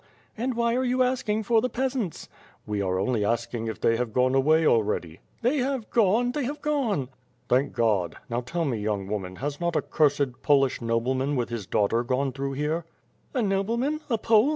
"And whj^ are you asking for the peasants?" "We are only asking if they have gone away already." "They have gone! They have gone!" "Thank God! Now, tell me young woman, has not a cursed Polish nobleman with his daughter gone through here?" "A nobleman? A Pole?